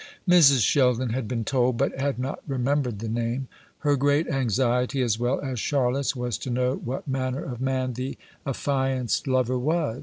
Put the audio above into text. Mrs. Sheldon had been told, but had not remembered the name. Her great anxiety, as well as Charlotte's, was to know what manner of man the affianced lover was.